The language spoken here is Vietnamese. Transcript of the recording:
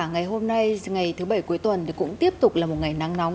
ngày hôm nay ngày thứ bảy cuối tuần thì cũng tiếp tục là một ngày nắng nóng